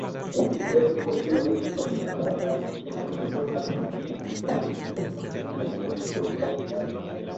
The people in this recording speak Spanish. Es posible supervisar la exposición al metilmercurio midiendo su concentración capilar.